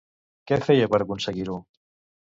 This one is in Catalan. Què feia per aconseguir-ho?